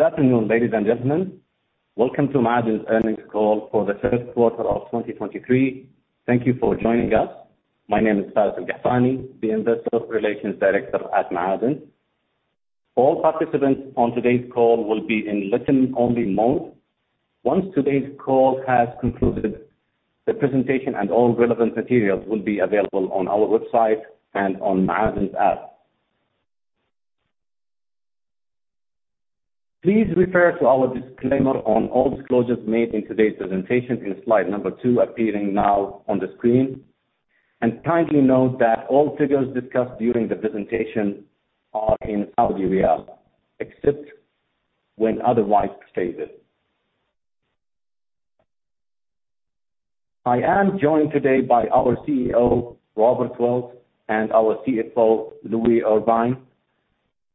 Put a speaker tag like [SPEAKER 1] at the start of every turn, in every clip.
[SPEAKER 1] Okay. Good afternoon, ladies and gentlemen. Welcome to Ma'aden's earnings call for the third quarter of 2023. Thank you for joining us. My name is Faris S. Alqahtani, the Investor Relations Director at Ma'aden. All participants on today's call will be in listen-only mode. Once today's call has concluded, the presentation and all relevant materials will be available on our website and on Ma'aden's app. Please refer to our disclaimer on all disclosures made in today's presentation in slide number two, appearing now on the screen. Kindly note that all figures discussed during the presentation are in Saudi riyal, except when otherwise stated. I am joined today by our CEO, Robert Wilt, and our CFO, Louis Irvine.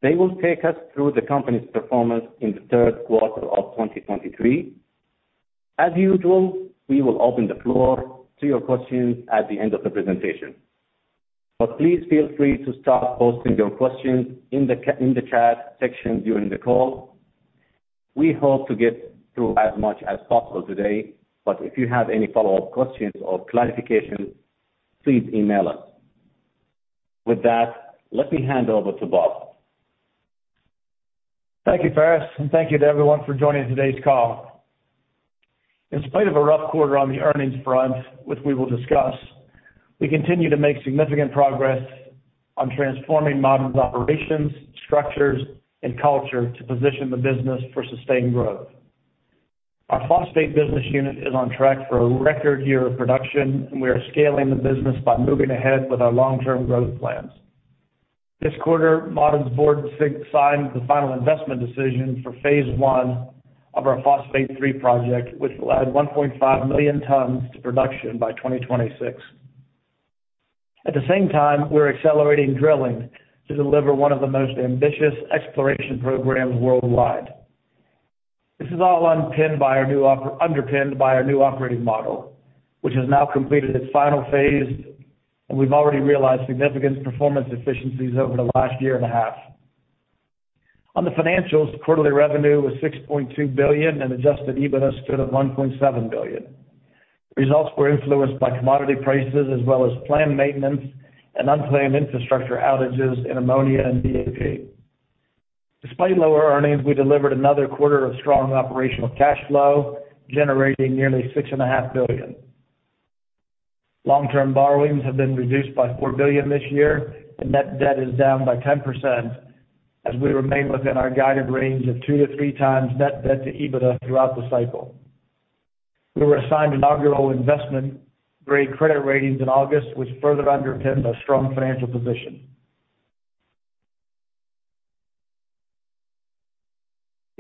[SPEAKER 1] They will take us through the company's performance in the third quarter of 2023. As usual, we will open the floor to your questions at the end of the presentation. Please feel free to start posting your questions in the chat section during the call. We hope to get through as much as possible today, but if you have any follow-up questions or clarifications, please email us. With that, let me hand over to Bob.
[SPEAKER 2] Thank you, Faris, and thank you to everyone for joining today's call. In spite of a rough quarter on the earnings front, which we will discuss, we continue to make significant progress on transforming Ma'aden's operations, structures, and culture to position the business for sustained growth. Our phosphate business unit is on track for a record year of production, and we are scaling the business by moving ahead with our long-term growth plans. This quarter, Ma'aden's board signed the final investment decision for phase one of our Phosphate 3 project, which will add 1.5 million tons to production by 2026. At the same time, we're accelerating drilling to deliver one of the most ambitious exploration programs worldwide. This is all underpinned by our new operating model, which has now completed its final phase, and we've already realized significant performance efficiencies over the last year and a half. On the financials, quarterly revenue was 6.2 billion and adjusted EBITDA stood at 1.7 billion. Results were influenced by commodity prices as well as planned maintenance and unplanned infrastructure outages in ammonia and DAP. Despite lower earnings, we delivered another quarter of strong operational cash flow, generating nearly 6.5 billion. Long-term borrowings have been reduced by 4 billion this year, and net debt is down by 10% as we remain within our guided range of 2-3 times net debt to EBITDA throughout the cycle. We were assigned inaugural investment-grade credit ratings in August, which further underpin a strong financial position.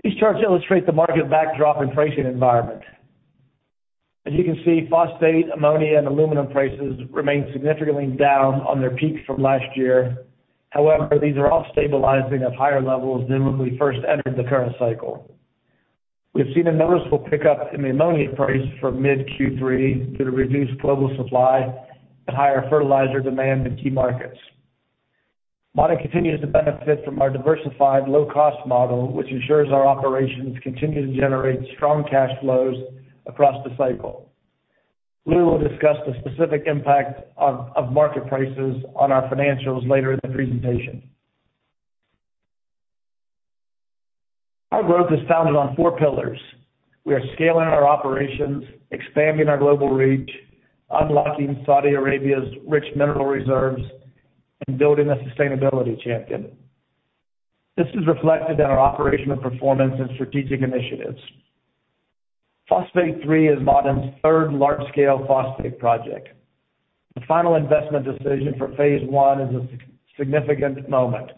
[SPEAKER 2] These charts illustrate the market backdrop and pricing environment. As you can see, phosphate, ammonia, and aluminum prices remain significantly down on their peak from last year. However, these are all stabilizing at higher levels than when we first entered the current cycle. We've seen a noticeable pickup in the ammonia price from mid Q3 due to reduced global supply and higher fertilizer demand in key markets. Ma'aden continues to benefit from our diversified low-cost model, which ensures our operations continue to generate strong cash flows across the cycle. We will discuss the specific impact of market prices on our financials later in the presentation. Our growth is founded on four pillars. We are scaling our operations, expanding our global reach, unlocking Saudi Arabia's rich mineral reserves, and building a sustainability champion. This is reflected in our operational performance and strategic initiatives. Phosphate 3 is Ma'aden's third large-scale phosphate project. The final investment decision for phase one is a significant moment.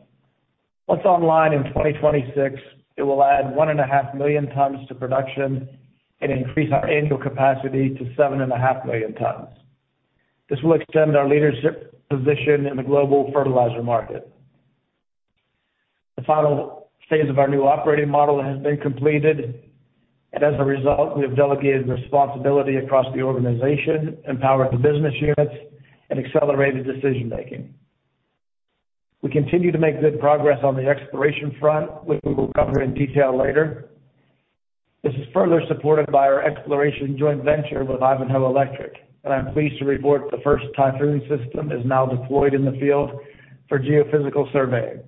[SPEAKER 2] Once online in 2026, it will add 1.5 million tons to production and increase our annual capacity to 7.5 million tons. This will extend our leadership position in the global fertilizer market. The final phase of our new operating model has been completed, and as a result, we have delegated responsibility across the organization, empowered the business units, and accelerated decision-making. We continue to make good progress on the exploration front, which we will cover in detail later. This is further supported by our exploration joint venture with Ivanhoe Electric, and I'm pleased to report the first Typhoon System is now deployed in the field for geophysical surveying.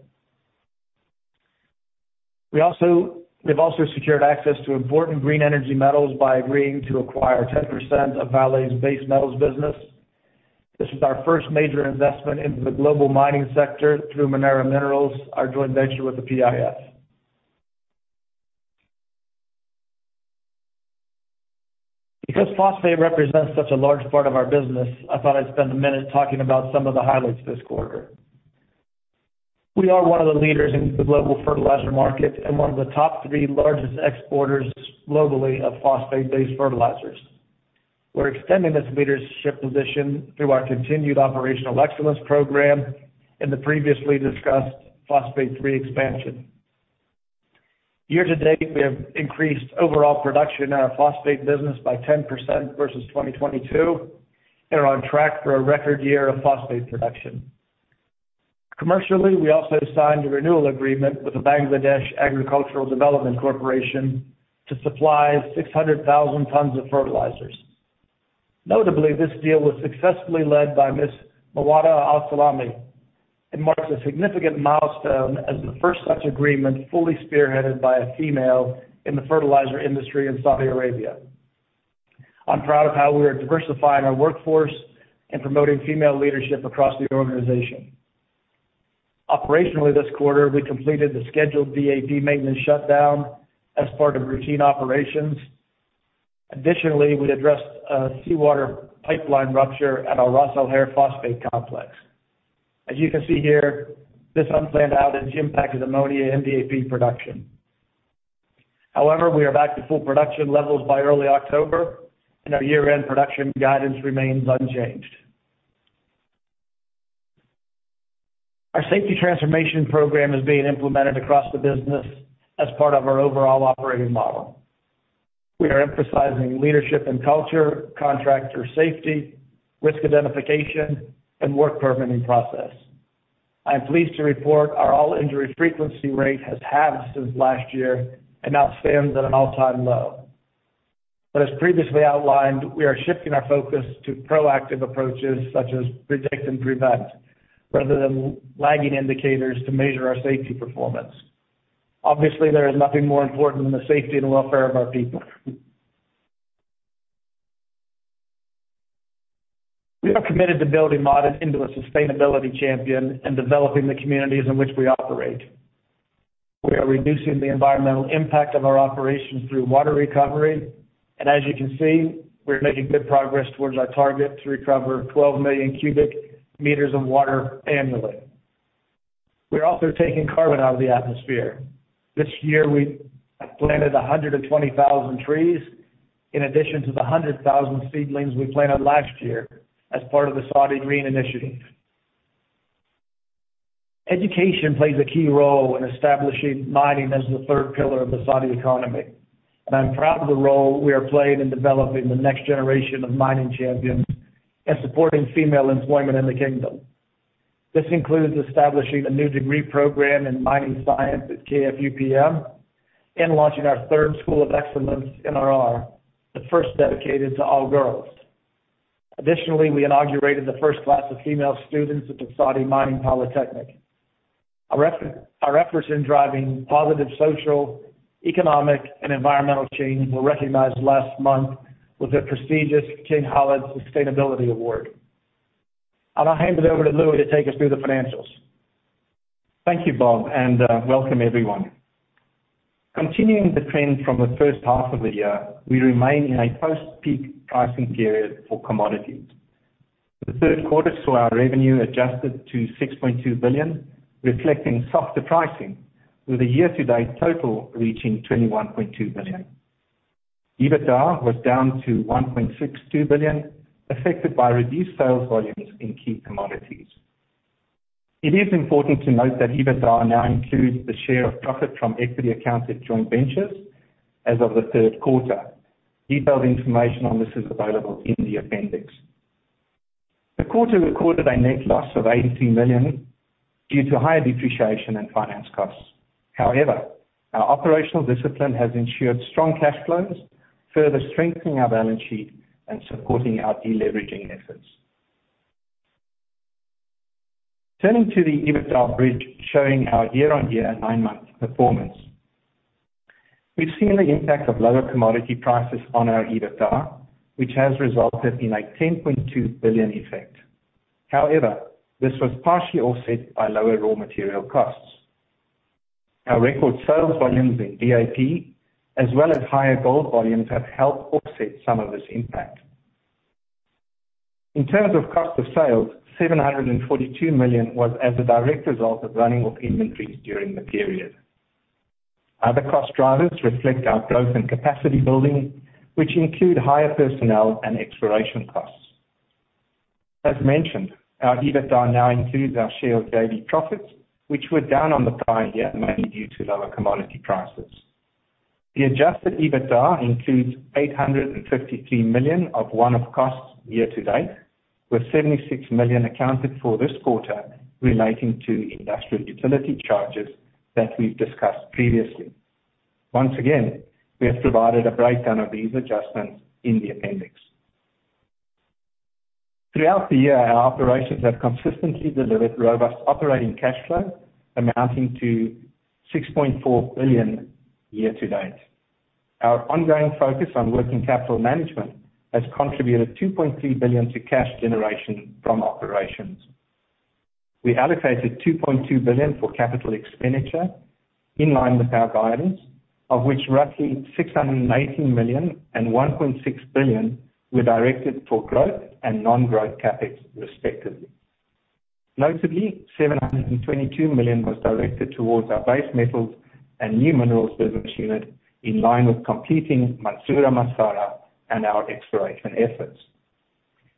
[SPEAKER 2] We've also secured access to important green energy metals by agreeing to acquire 10% of Vale's base metals business. This is our first major investment into the global mining sector through Manara Minerals, our joint venture with the PIF. Because phosphate represents such a large part of our business, I thought I'd spend a minute talking about some of the highlights this quarter. We are one of the leaders in the global fertilizer market and one of the top three largest exporters globally of phosphate-based fertilizers. We're extending this leadership position through our continued operational excellence program and the previously discussed Phosphate 3 expansion. Year-to-date, we have increased overall production in our phosphate business by 10% versus 2022 and are on track for a record year of phosphate production. Commercially, we also signed a renewal agreement with the Bangladesh Agricultural Development Corporation to supply 600,000 tons of fertilizers. Notably, this deal was successfully led by Ms. Mawaddah AlSalami and marks a significant milestone as the first such agreement fully spearheaded by a female in the fertilizer industry in Saudi Arabia. I'm proud of how we are diversifying our workforce and promoting female leadership across the organization. Operationally this quarter, we completed the scheduled DAP maintenance shutdown as part of routine operations. Additionally, we addressed a seawater pipeline rupture at our Ras Al-Khair phosphate complex. As you can see here, this unplanned outage impacted ammonia and DAP production. However, we are back to full production levels by early October, and our year-end production guidance remains unchanged. Our safety transformation program is being implemented across the business as part of our overall operating model. We are emphasizing leadership and culture, contractor safety, risk identification, and work permitting process. I am pleased to report our all-injury frequency rate has halved since last year and now stands at an all-time low. As previously outlined, we are shifting our focus to proactive approaches such as predict and prevent rather than lagging indicators to measure our safety performance. Obviously, there is nothing more important than the safety and welfare of our people. We are committed to building Ma'aden into a sustainability champion and developing the communities in which we operate. We are reducing the environmental impact of our operations through water recovery, and as you can see, we are making good progress towards our target to recover 12 million cubic meters of water annually. We are also taking carbon out of the atmosphere. This year we have planted 120,000 trees in addition to the 100,000 seedlings we planted last year as part of the Saudi Green Initiative. Education plays a key role in establishing mining as the third pillar of the Saudi economy. I'm proud of the role we are playing in developing the next generation of mining champions and supporting female employment in the kingdom. This includes establishing a new degree program in mining science at KFUPM and launching our third school of excellence in a row, the first dedicated to all girls. Additionally, we inaugurated the first class of female students at the Saudi Mining Polytechnic. Our efforts in driving positive social, economic, and environmental change were recognized last month with the prestigious King Khalid Sustainability Award. I'll hand it over to Louis to take us through the financials.
[SPEAKER 3] Thank you, Bob, and welcome everyone. Continuing the trend from the first half of the year, we remain in a post-peak pricing period for commodities. The third quarter saw our revenue adjusted to 6.2 billion, reflecting softer pricing with a year-to-date total reaching 21.2 billion. EBITDA was down to 1.62 billion, affected by reduced sales volumes in key commodities. It is important to note that EBITDA now includes the share of profit from equity accounted joint ventures as of the third quarter. Detailed information on this is available in the appendix. The quarter recorded a net loss of 80 million due to higher depreciation and finance costs. However, our operational discipline has ensured strong cash flows, further strengthening our balance sheet and supporting our deleveraging efforts. Turning to the EBITDA bridge showing our year-on-year nine-month performance. We've seen the impact of lower commodity prices on our EBITDA, which has resulted in a 10.2 billion effect. However, this was partially offset by lower raw material costs. Our record sales volumes in DAP, as well as higher gold volumes, have helped offset some of this impact. In terms of cost of sales, 742 million was as a direct result of running of inventories during the period. Other cost drivers reflect our growth and capacity building, which include higher personnel and exploration costs. As mentioned, our EBITDA now includes our share of equity profits, which were down on the prior year, mainly due to lower commodity prices. The adjusted EBITDA includes 853 million of one-off costs year to date, with 76 million accounted for this quarter relating to industrial utility charges that we've discussed previously. Once again, we have provided a breakdown of these adjustments in the appendix. Throughout the year, our operations have consistently delivered robust operating cash flow amounting to 6.4 billion year to date. Our ongoing focus on working capital management has contributed 2.3 billion to cash generation from operations. We allocated 2.2 billion for capital expenditure in line with our guidance, of which roughly 680 million and 1.6 billion were directed for growth and non-growth CapEx respectively. Notably, 722 million was directed towards our base metals and new minerals business unit in line with completing Mansourah Massarah and our exploration efforts.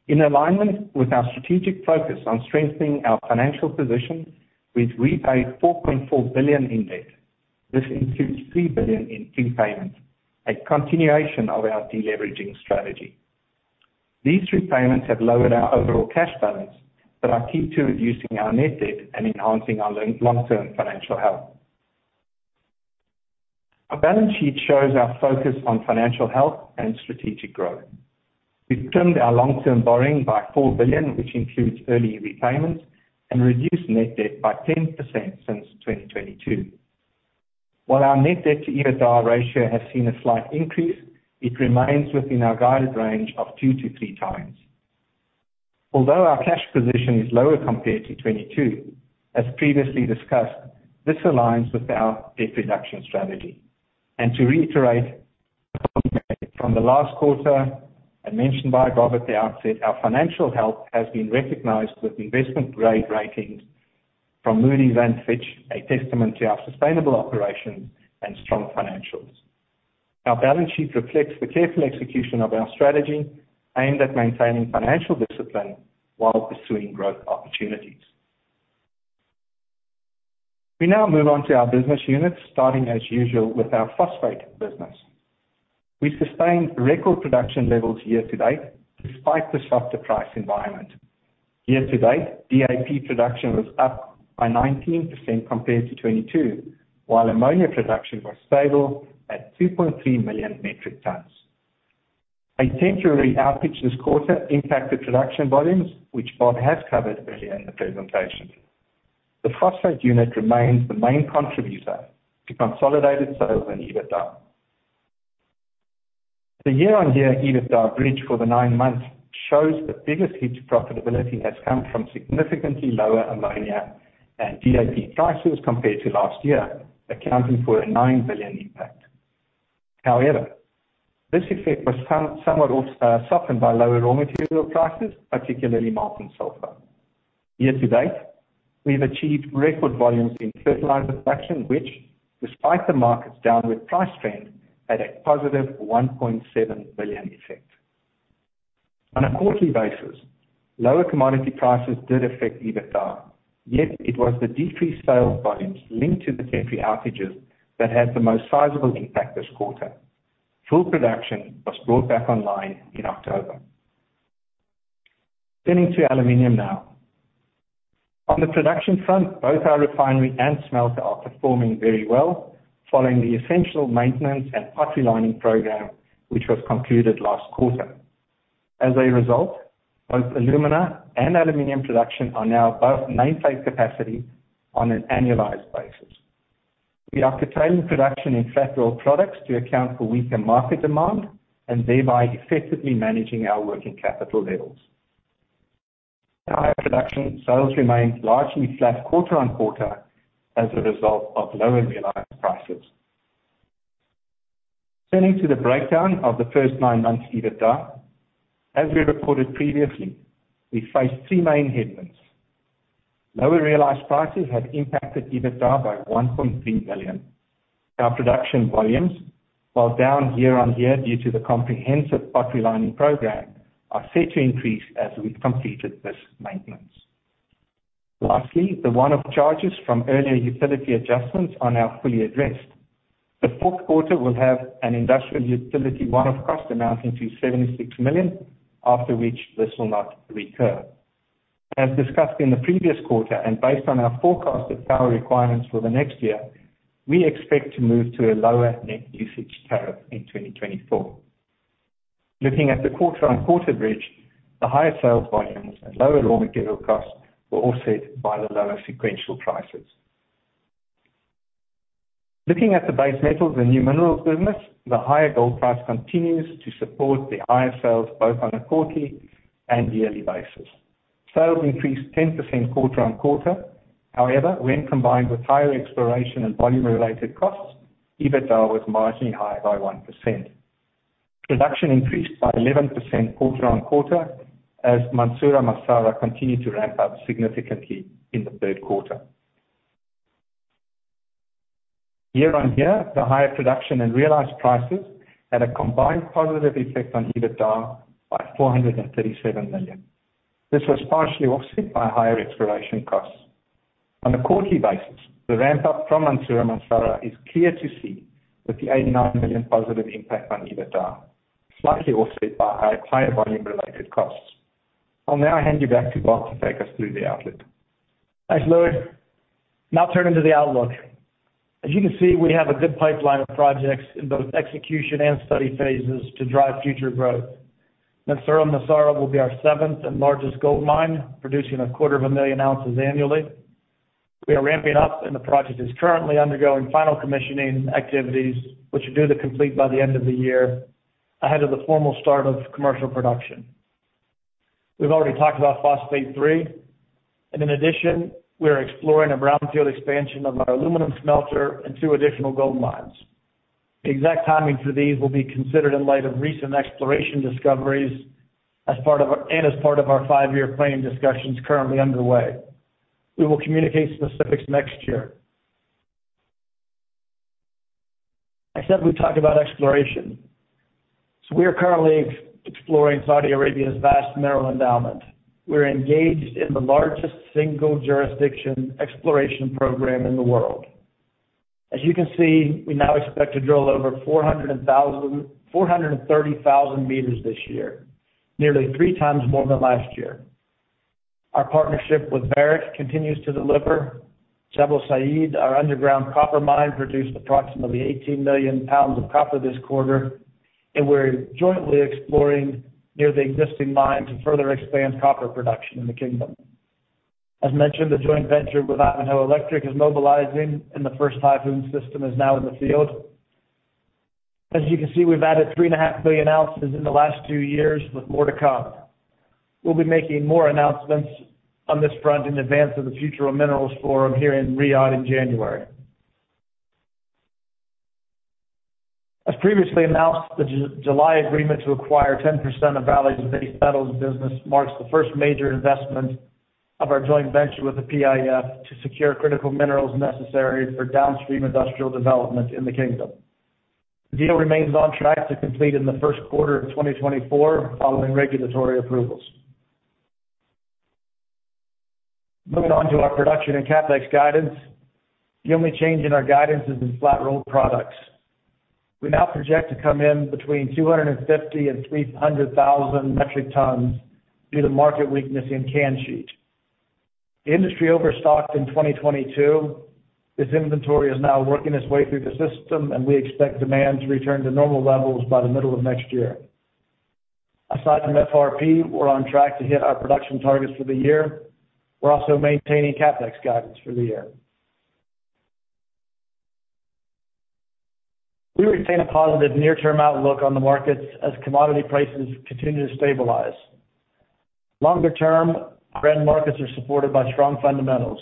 [SPEAKER 3] In alignment with our strategic focus on strengthening our financial position, we've repaid 4.4 billion in debt. This includes 3 billion in key payments, a continuation of our deleveraging strategy. These repayments have lowered our overall cash balance, but are key to reducing our net debt and enhancing our long-term financial health. Our balance sheet shows our focus on financial health and strategic growth. We've trimmed our long-term borrowing by 4 billion, which includes early repayments, and reduced net debt by 10% since 2022. While our net debt to EBITDA ratio has seen a slight increase, it remains within our guided range of 2-3 times. Although our cash position is lower compared to 2022, as previously discussed, this aligns with our debt reduction strategy. To reiterate, from the last quarter, and mentioned by Robert at the outset, our financial health has been recognized with investment-grade ratings from Moody's and Fitch, a testament to our sustainable operations and strong financials. Our balance sheet reflects the careful execution of our strategy aimed at maintaining financial discipline while pursuing growth opportunities. We now move on to our business units, starting as usual with our phosphate business. We sustained record production levels year-to-date despite the softer price environment. Year-to-date, DAP production was up by 19% compared to 2022, while ammonia production was stable at 2.3 million metric tons. A temporary outage this quarter impacted production volumes, which Bob has covered earlier in the presentation. The phosphate unit remains the main contributor to consolidated sales and EBITDA. The year-on-year EBITDA bridge for the nine months shows the biggest hit to profitability has come from significantly lower ammonia and DAP prices compared to last year, accounting for a 9 billion impact. However, this effect was somewhat offset by lower raw material prices, particularly molten sulfur. Year-to-date, we've achieved record volumes in fertilizer production, which, despite the market's downward price trend, had a positive 1.7 billion effect. On a quarterly basis, lower commodity prices did affect EBITDA, yet it was the decreased sales volumes linked to the temporary outages that had the most sizable impact this quarter. Full production was brought back online in October. Turning to aluminum now. On the production front, both our refinery and smelter are performing very well following the essential maintenance and potlining program, which was concluded last quarter. As a result, both alumina and aluminum production are now above nameplate capacity on an annualized basis. We are curtailing production in flat-rolled products to account for weaker market demand and thereby effectively managing our working capital levels. Higher production sales remained largely flat quarter-on-quarter as a result of lower realized prices. Turning to the breakdown of the first nine months EBITDA, as we reported previously, we faced three main headwinds. Lower realized prices have impacted EBITDA by 1.3 billion. Our production volumes, while down year-on-year due to the comprehensive potlining program, are set to increase as we've completed this maintenance. Lastly, the one-off charges from earlier utility adjustments are now fully addressed. The fourth quarter will have an industrial utility one-off cost amounting to 76 million, after which this will not recur. As discussed in the previous quarter and based on our forecasted power requirements for the next year, we expect to move to a lower net usage tariff in 2024. Looking at the quarter-on-quarter bridge, the higher sales volumes and lower raw material costs were offset by the lower sequential prices. Looking at the base metals and new minerals business, the higher gold price continues to support the higher sales, both on a quarterly and yearly basis. Sales increased 10% quarter-over-quarter. However, when combined with higher exploration and volume-related costs, EBITDA was marginally higher by 1%. Production increased by 11% quarter-over-quarter as Mansourah Massarah continued to ramp up significantly in the third quarter. Year-over-year, the higher production and realized prices had a combined positive effect on EBITDA by 437 million. This was partially offset by higher exploration costs. On a quarterly basis, the ramp-up from Mansourah Massarah is clear to see with the 89 million positive impact on EBITDA, slightly offset by higher volume-related costs. I'll now hand you back to Bob to take us through the outlook.
[SPEAKER 2] Thanks, Lou. Now turning to the outlook. As you can see, we have a good pipeline of projects in both execution and study phases to drive future growth. Mansourah Massarah will be our seventh and largest gold mine, producing 250,000 ounces annually. We are ramping up, and the project is currently undergoing final commissioning activities, which are due to complete by the end of the year, ahead of the formal start of commercial production. We've already talked about Phosphate 3, and in addition, we are exploring a brownfield expansion of our aluminum smelter and two additional gold mines. The exact timing for these will be considered in light of recent exploration discoveries as part of our five-year planning discussions currently underway. We will communicate specifics next year. Next up, we talk about exploration. We are currently exploring Saudi Arabia's vast mineral endowment. We're engaged in the largest single jurisdiction exploration program in the world. As you can see, we now expect to drill over 430,000 meters this year, nearly three times more than last year. Our partnership with Barrick continues to deliver. Jabal Sayid, our underground copper mine, produced approximately 18 million pounds of copper this quarter, and we're jointly exploring near the existing mine to further expand copper production in the kingdom. As mentioned, the joint venture with Ivanhoe Electric is mobilizing, and the first Typhoon system is now in the field. As you can see, we've added 3.5 billion ounces in the last two years with more to come. We'll be making more announcements on this front in advance of the Future Minerals Forum here in Riyadh in January. As previously announced, the July agreement to acquire 10% of Vale's base metals business marks the first major investment of our joint venture with the PIF to secure critical minerals necessary for downstream industrial development in the kingdom. The deal remains on track to complete in the first quarter of 2024 following regulatory approvals. Moving on to our production and CapEx guidance. The only change in our guidance is in flat-rolled products. We now project to come in between 250,000 and 300,000 metric tons due to market weakness in can sheet. The industry overstocked in 2022. This inventory is now working its way through the system, and we expect demand to return to normal levels by the middle of next year. Aside from FRP, we're on track to hit our production targets for the year. We're also maintaining CapEx guidance for the year. We retain a positive near-term outlook on the markets as commodity prices continue to stabilize. Longer term, our end markets are supported by strong fundamentals.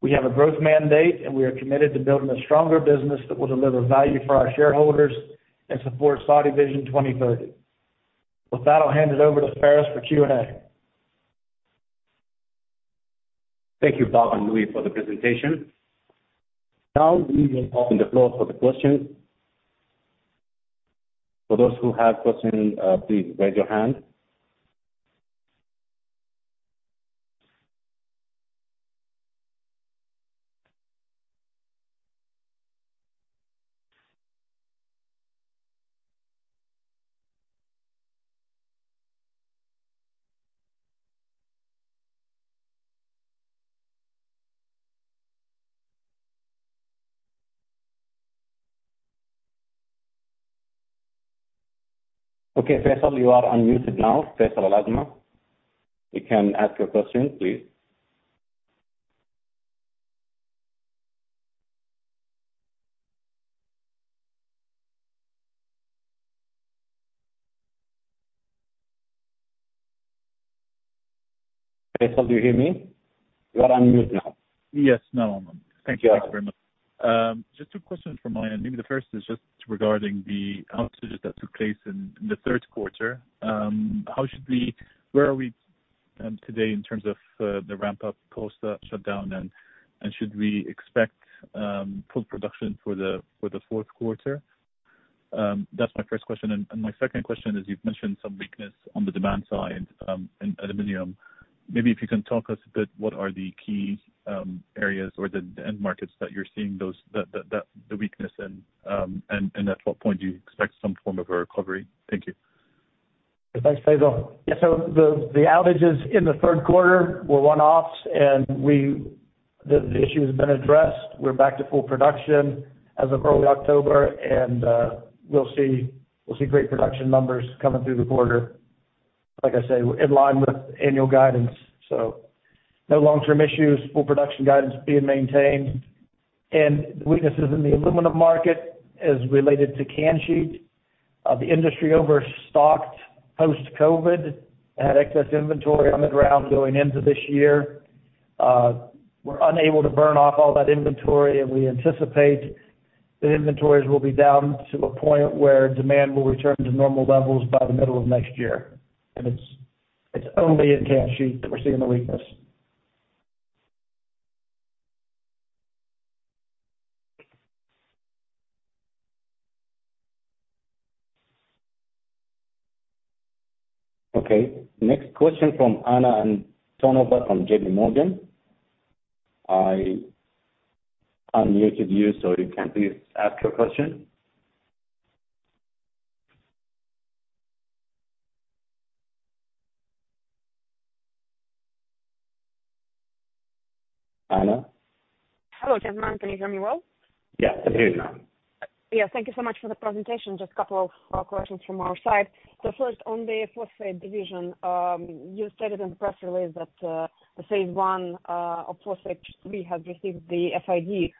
[SPEAKER 2] We have a growth mandate, and we are committed to building a stronger business that will deliver value for our shareholders and support Saudi Vision 2030. With that, I'll hand it over to Faris for Q&A.
[SPEAKER 1] Thank you, Bob and Louis, for the presentation. Now, we will open the floor for the questions. For those who have questions, please raise your hand. Okay, Faisal, you are unmuted now. Faisal Al-Azmeh. You can ask your question, please. Faisal, do you hear me? You are on mute now.
[SPEAKER 4] Yes. Now I'm on. Thank you.
[SPEAKER 1] Yeah.
[SPEAKER 4] Thank you very much. Just two questions from my end. Maybe the first is just regarding the outages that took place in the third quarter. Where are we today in terms of the ramp-up post the shutdown, and should we expect full production for the fourth quarter? That's my first question. My second question is, you've mentioned some weakness on the demand side in aluminum. Maybe if you can talk us a bit, what are the key areas or the end markets that you're seeing that the weakness in, and at what point do you expect some form of a recovery? Thank you.
[SPEAKER 2] Thanks, Faisal. Yeah, so the outages in the third quarter were one-offs, and the issue has been addressed. We're back to full production as of early October, and we'll see great production numbers coming through the quarter. Like I say, in line with annual guidance, so no long-term issues. Full production guidance being maintained. The weaknesses in the aluminum market is related to can sheet. The industry overstocked post-COVID and had excess inventory on the ground going into this year. We're unable to burn off all that inventory, and we anticipate that inventories will be down to a point where demand will return to normal levels by the middle of next year. It's only in can sheet that we're seeing the weakness.
[SPEAKER 1] Okay. Next question from Anna Antonova from J.P. Morgan. I unmuted you, so you can please ask your question. Anna?
[SPEAKER 5] Hello, gentlemen. Can you hear me well?
[SPEAKER 1] Yes, I can hear you now.
[SPEAKER 5] Yeah, thank you so much for the presentation. Just a couple of questions from our side. First on the phosphate division, you stated in the press release that phase one of Phosphate 3 has received the FID.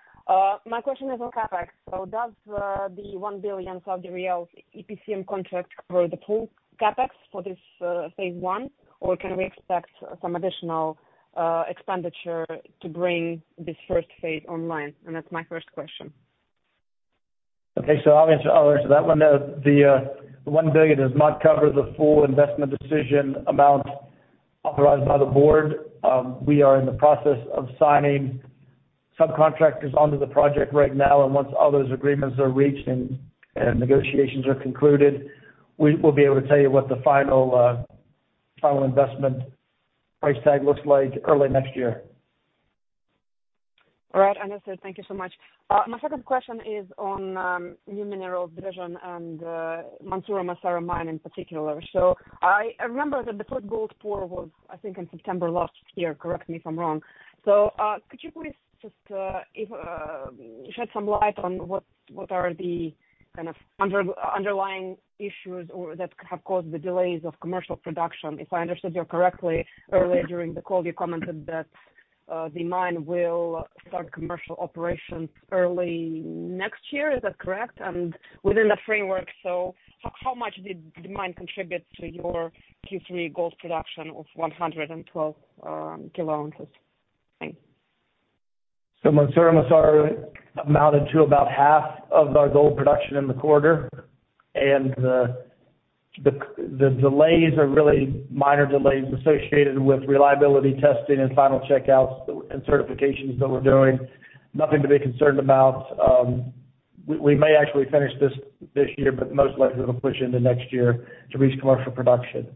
[SPEAKER 5] My question is on CapEx. Does the 1 billion Saudi riyal EPCM contract cover the full CapEx for this phase one, or can we expect some additional expenditure to bring this first phase online? That's my first question.
[SPEAKER 2] Okay. I'll answer that one. The 1 billion does not cover the full investment decision amount authorized by the board. We are in the process of signing subcontractors onto the project right now, and once all those agreements are reached and negotiations are concluded, we will be able to tell you what the final investment price tag looks like early next year.
[SPEAKER 5] All right. Understood. Thank you so much. My second question is on new minerals division and Mansourah Massarah mine in particular. I remember that the first gold pour was, I think, in September last year. Correct me if I'm wrong. Could you please shed some light on what are the kind of underlying issues or that have caused the delays of commercial production? If I understood you correctly, earlier during the call, you commented that the mine will start commercial operations early next year. Is that correct? Within that framework, how much did the mine contribute to your Q3 gold production of 112 kilo ounces? Thanks.
[SPEAKER 2] Mansourah Massarah amounted to about half of our gold production in the quarter. The delays are really minor delays associated with reliability testing and final checkouts and certifications that we're doing. Nothing to be concerned about. We may actually finish this year, but most likely it'll push into next year to reach commercial production.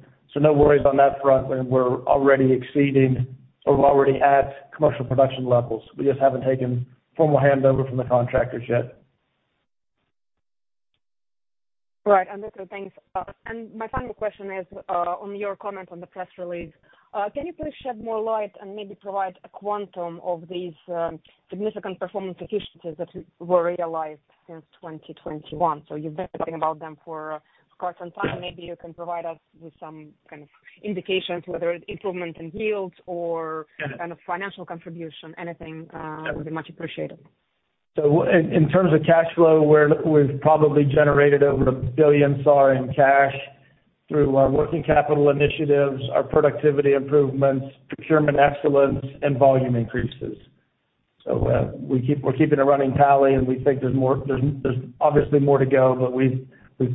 [SPEAKER 2] No worries on that front. We're already exceeding or we're already at commercial production levels. We just haven't taken formal handover from the contractors yet.
[SPEAKER 5] Right. Understood. Thanks. My final question is on your comment on the press release. Can you please shed more light and maybe provide a quantum of these significant performance efficiencies that were realized since 2021? You've been talking about them for quite some time. Maybe you can provide us with some kind of indications whether it's improvement in yields or kind of financial contribution, anything would be much appreciated.
[SPEAKER 2] In terms of cash flow, we've probably generated over 1 billion SAR in cash through our working capital initiatives, our productivity improvements, procurement excellence and volume increases. We're keeping a running tally, and we think there's obviously more to go, but we've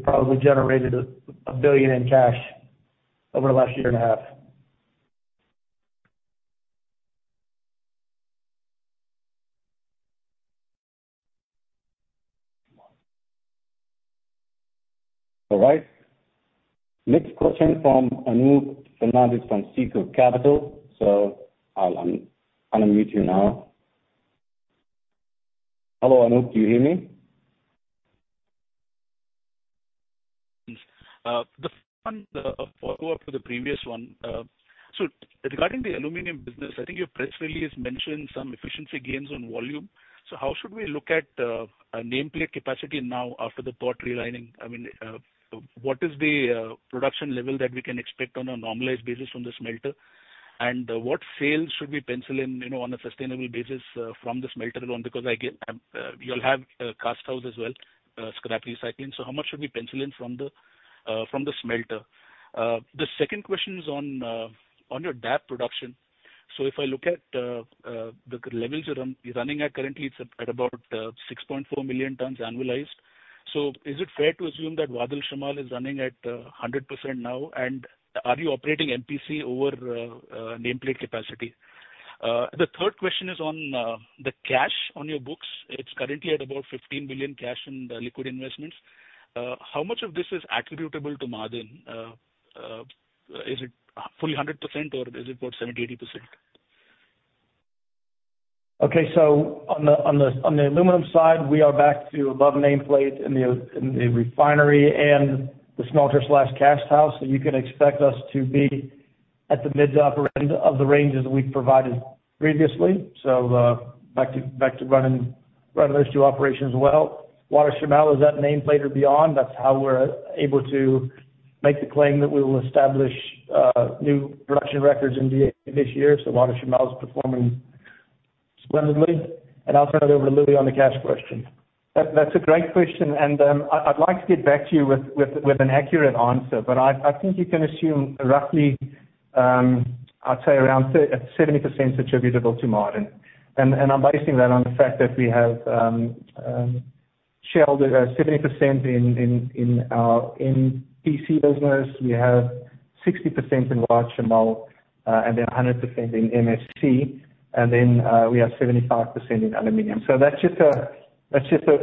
[SPEAKER 2] probably generated 1 billion in cash over the last year and a half.
[SPEAKER 1] All right. Next question from Anoop Fernandes from SICO Capital. I'll unmute you now. Hello, Anoop. Do you hear me?
[SPEAKER 6] Yes. The one, the follow-up to the previous one. Regarding the aluminum business, I think your press release mentioned some efficiency gains on volume. How should we look at a nameplate capacity now after the pot relining? I mean, what is the production level that we can expect on a normalized basis from the smelter? And what sales should we pencil in, you know, on a sustainable basis from the smelter alone? Because I get you'll have a cast house as well, scrap recycling. How much should we pencil in from the smelter? The second question is on your DAP production. If I look at the levels you're running at currently, it's at about 6.4 million tons annualized. Is it fair to assume that Wa'ad Al Shamal is running at 100% now? Are you operating MPC over nameplate capacity? The third question is on the cash on your books. It's currently at about 15 billion in cash and liquid investments. How much of this is attributable to Ma'aden? Is it fully 100%, or is it about 70, 80%?
[SPEAKER 2] Okay. On the aluminum side, we are back to above nameplate in the refinery and the smelter casthouse. You can expect us to be at the mid to upper end of the ranges that we've provided previously. Back to running those two operations well. Wa'ad Al Shamal is at nameplate or beyond. That's how we're able to make the claim that we will establish new production records in this year. Wa'ad Al Shamal is performing splendidly. I'll turn it over to Louie on the cash question.
[SPEAKER 3] That's a great question. I'd like to get back to you with an accurate answer. I think you can assume roughly, I'd say around 70% attributable to Ma'aden. I'm basing that on the fact that we have shareholding at 70% in our MPC business. We have 60% in Wa'ad Al Shamal, and then 100% in MSC. We have 75% in aluminum. That's just a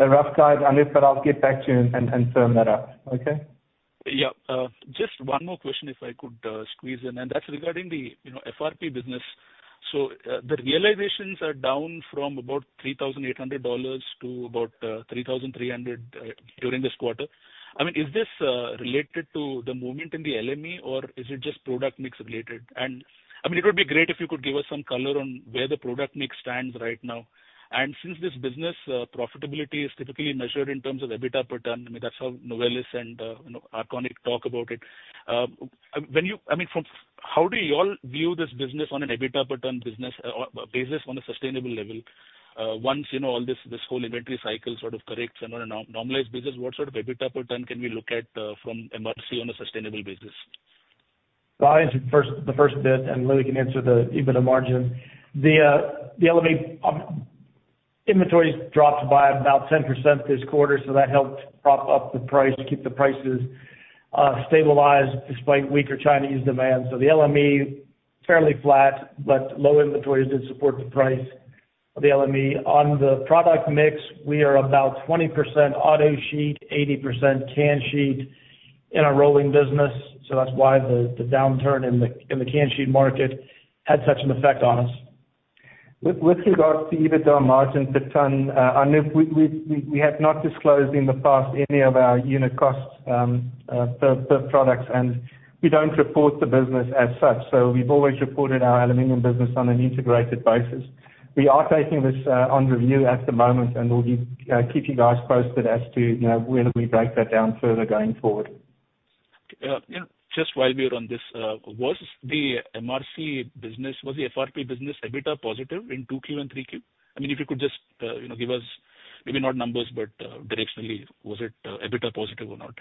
[SPEAKER 3] rough guide, Anoop, but I'll get back to you and firm that up. Okay?
[SPEAKER 6] Yeah. Just one more question, if I could squeeze in, and that's regarding the, you know, FRP business. The realizations are down from about $3,800 to about $3,300 during this quarter. I mean, is this related to the movement in the LME, or is it just product mix related? I mean, it would be great if you could give us some color on where the product mix stands right now. Since this business profitability is typically measured in terms of EBITDA per ton, I mean, that's how Novelis and, you know, Arconic talk about it. How do you all view this business on an EBITDA per ton business or basis on a sustainable level? Once, you know, all this whole inventory cycle sort of corrects and on a normalized basis, what sort of EBITDA per ton can we look at from MRC on a sustainable basis?
[SPEAKER 2] I answer first, the first bit, and Louie can answer the EBITDA margin. The inventories dropped by about 10% this quarter, so that helped prop up the price to keep the prices stabilized despite weaker Chinese demand. The LME fairly flat, but low inventories did support the price of the LME. On the product mix, we are about 20% auto sheet, 80% can sheet in our rolling business. That's why the downturn in the can sheet market had such an effect on us.
[SPEAKER 3] With regards to EBITDA margin per ton, Anoop, we have not disclosed in the past any of our unit costs per products, and we don't report the business as such. We've always reported our aluminum business on an integrated basis. We are taking this on review at the moment, and we'll keep you guys posted as to, you know, whether we break that down further going forward.
[SPEAKER 6] Yeah. Just while we're on this, was the MRC business, was the FRP business EBITDA positive in 2Q and 3Q? I mean, if you could just, you know, give us maybe not numbers, but, directionally, was it, EBITDA positive or not?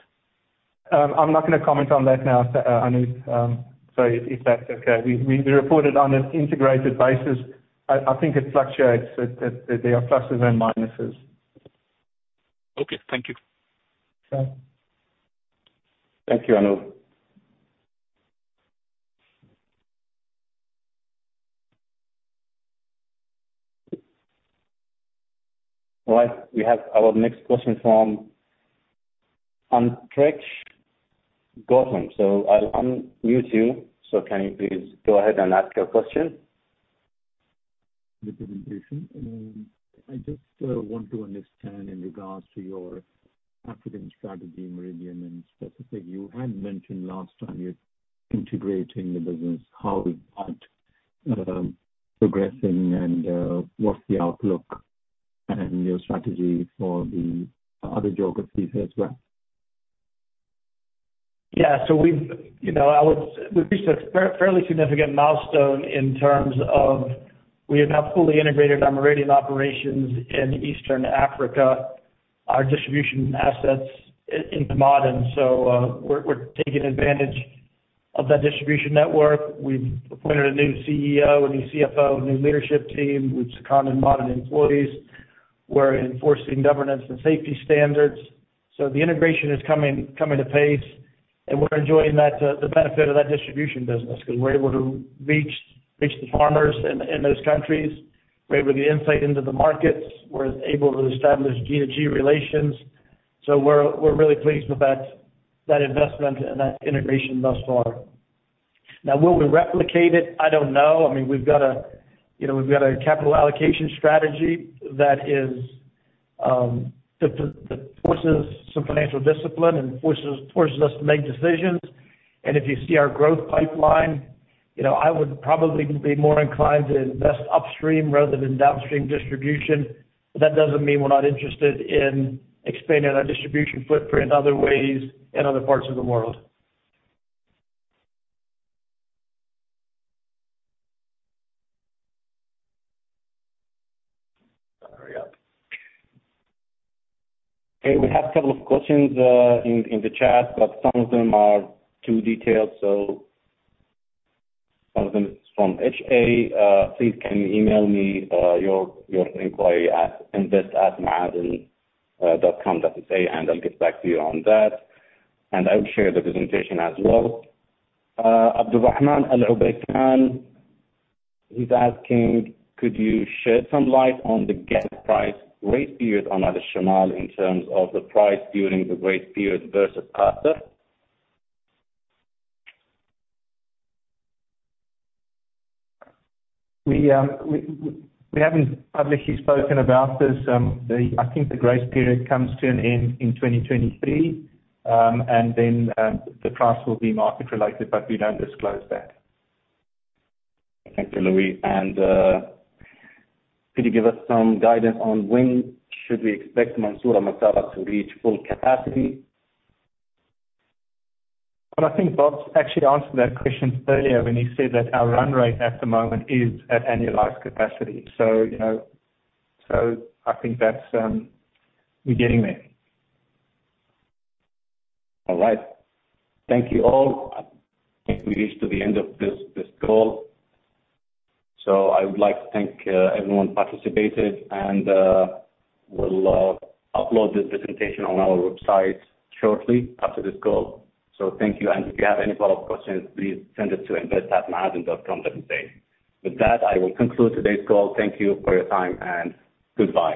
[SPEAKER 3] I'm not gonna comment on that now, Anup, so if that's okay. We report it on an integrated basis. I think it fluctuates. There are pluses and minuses.
[SPEAKER 6] Okay. Thank you.
[SPEAKER 3] Sure.
[SPEAKER 1] Thank you, Anoop. All right. We have our next question from Anish A. Gautam. I'll unmute you, so can you please go ahead and ask your question.
[SPEAKER 7] I just want to understand in regards to your African strategy, Meridian Group Africa in specific. You had mentioned last time you're integrating the business, how is that progressing and what's the outlook and your strategy for the other geographies as well?
[SPEAKER 2] We've reached a fairly significant milestone in terms of we have now fully integrated our Meridian Group Africa operations in Eastern Africa, our distribution assets in Ma'aden. We're taking advantage of that distribution network. We've appointed a new CEO, a new CFO, a new leadership team. We've seconded Ma'aden employees. We're enforcing governance and safety standards. The integration is coming to pace. We're enjoying the benefit of that distribution business, 'cause we're able to reach the farmers in those countries. We're able to gain insight into the markets. We're able to establish G-to-G relations. We're really pleased with that investment and that integration thus far. Now, will we replicate it? I don't know. I mean, we've got a, you know, we've got a capital allocation strategy that forces some financial discipline and forces us to make decisions. If you see our growth pipeline, you know, I would probably be more inclined to invest upstream rather than downstream distribution. That doesn't mean we're not interested in expanding our distribution footprint in other ways in other parts of the world.
[SPEAKER 1] Sorry. Okay, we have couple of questions in the chat, but some of them are too detailed, so some of them is from H.A. Please, can you email me your inquiry at invest@maaden.com.sa, and I'll get back to you on that. I will share the presentation as well. Abdullah Al Obeikan, he's asking, could you shed some light on the gas price grace period on Shamal in terms of the price during the grace period versus after?
[SPEAKER 3] We haven't publicly spoken about this. I think the grace period comes to an end in 2023. The price will be market related, but we don't disclose that.
[SPEAKER 1] Thank you, Louis. Could you give us some guidance on when should we expect Mansourah Massarah to reach full capacity?
[SPEAKER 3] Well, I think Bob actually answered that question earlier when he said that our run rate at the moment is at annualized capacity. You know, so I think that's, we're getting there.
[SPEAKER 1] All right. Thank you all. I think we've reached the end of this call. I would like to thank everyone who participated. We'll upload this presentation on our website shortly after this call. Thank you. If you have any follow-up questions, please send it to invest@maaden.com.sa With that, I will conclude today's call. Thank you for your time, and goodbye.